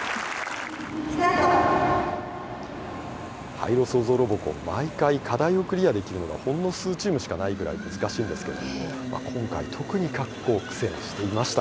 廃炉創造ロボコン毎回課題をクリアーできるのはほんの数チームしかないぐらい難しいんですけれども今回特に各校苦戦していました。